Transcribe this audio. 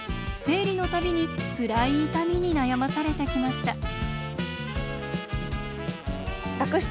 生理の度につらい痛みに悩まされてきました。